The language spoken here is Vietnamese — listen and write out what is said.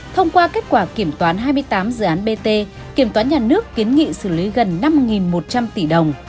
thông qua kết quả kiểm toán hai mươi tám dự án bt kiểm toán nhà nước kiến nghị xử lý gần năm một trăm linh tỷ đồng